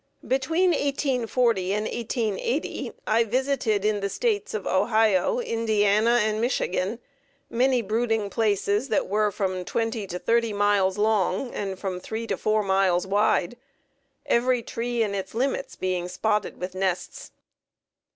Between 1840 and 1880 I visited in the States of Ohio, Indiana, and Michigan many brooding places that were from twenty to thirty miles long and from three to four miles wide, every tree in its limits being spotted with nests.